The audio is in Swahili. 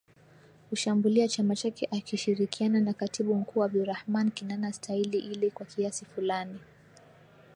kushambulia chama chake akishirikiana na Katibu Mkuu Abdulrahman Kinana Staili ile kwa kiasi fulani